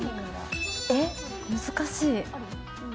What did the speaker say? えっ難しい。